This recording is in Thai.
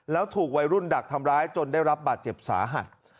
แล้วถูกวัยรุ่นดักทำร้ายจนได้รับบาดเจ็บสาหัส